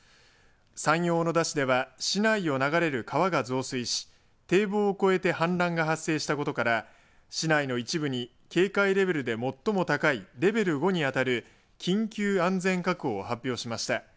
山陽小野田市では市内を流れる川が増水し堤防を越えて氾濫が発生したことから市内の一部に、警戒レベルで最も高いレベル５に当たる緊急安全確保を発表しました。